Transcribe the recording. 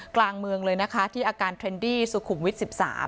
กลางเมืองเลยนะคะที่อาการเทรนดี้สุขุมวิทย์๑๓